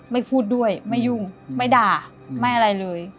ไม่พูดด้วยไม่ยุ่งไม่ด่าไม่อะไรเลย